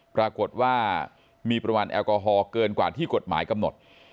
ปรากฏว่ามีปริมาณแอลกอฮอลเกินกว่าที่กฎหมายกำหนด